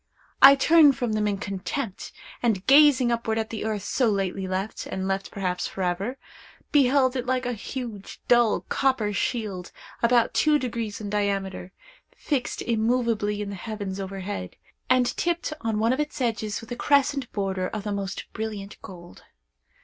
I turned from them in contempt, and, gazing upward at the earth so lately left, and left perhaps for ever, beheld it like a huge, dull, copper shield, about two degrees in diameter, fixed immovably in the heavens overhead, and tipped on one of its edges with a crescent border of the most brilliant gold.